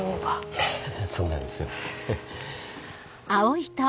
ハハハそうなんですよ。